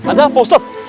nggak ada cool stuff